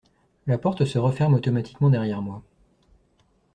La porte se referme automatiquement derrière moi.